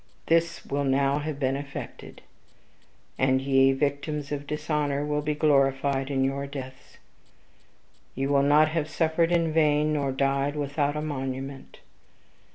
"This will now have been effected. And ye, victims of dishonor, will be glorified in your deaths; ye will not have suffered in vain, nor died without a monument.